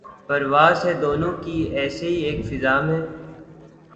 پرواز ہے دونوں کی اسی ایک فضا میں